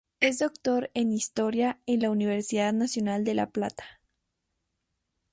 Es Doctor en Historia en la Universidad Nacional de La Plata.